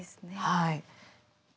はい。